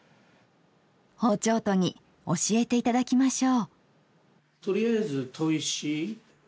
包丁研ぎ教えて頂きましょう。